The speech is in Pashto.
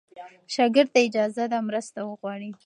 شاګرد ته اجازه ده مرسته وغواړي.